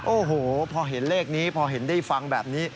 โอ้โหพอเห็นเลขนี้พอเห็นได้ฟังแบบนี้